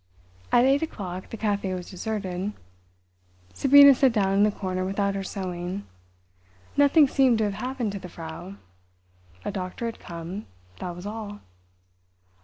At eight o'clock the café was deserted. Sabina sat down in the corner without her sewing. Nothing seemed to have happened to the Frau. A doctor had come—that was all.